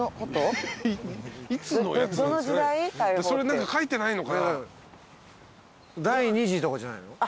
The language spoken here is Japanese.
それ何か書いてないのかな？